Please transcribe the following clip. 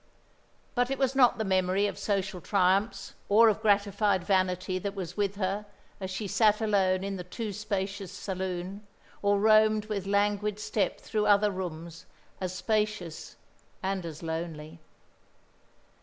But it was not the memory of social triumphs or of gratified vanity that was with her as she sat alone in the too spacious saloon, or roamed with languid step through other rooms as spacious and as lonely.